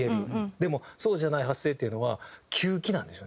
でもそうじゃない発声っていうのは吸気なんですよね。